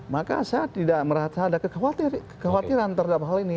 maka saya tidak merasa ada kekhawatiran terhadap hal ini